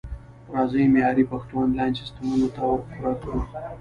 راځئ معیاري پښتو انلاین سیستمونو ته ورپوره کړو